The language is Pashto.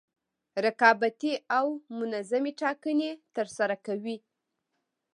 رقابتي او منظمې ټاکنې ترسره کوي.